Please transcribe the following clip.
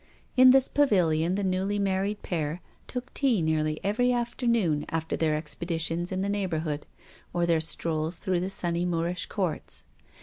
In this pavilion the newly mar ried pair took tea nearly every afternoon after their expeditions in the neighbourhood, or their strolls through the sunny Moorish Courts.